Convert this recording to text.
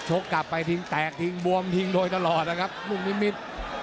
กลับไปทิ้งแตกทิ้งบวมทิ้งโดยตลอดนะครับลูกนิมิตร